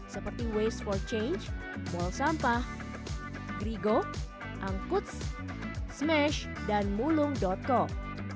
seperti waste for change mal sampah grigo angkuts smash dan mulung com